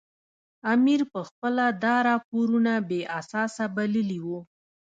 امیر پخپله دا راپورونه بې اساسه بللي وو.